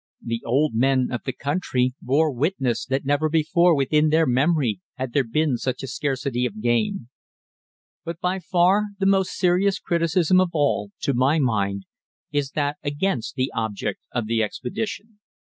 The old men of the country bore witness that never before within their memory had there been such a scarcity of game. But by far the most serious criticism of all, to my mind, is that against the object of the expedition.